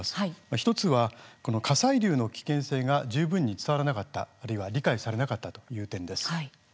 １つは火砕流の危険性が十分に伝わらなかったあるいは理解されなかった点です。